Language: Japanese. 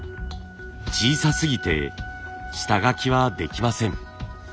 小さすぎて下描きはできません。